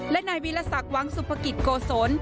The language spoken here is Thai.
และนายวิลสักวังสุภกิจโกศล